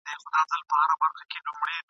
ملي نواميس بايد وساتل سي.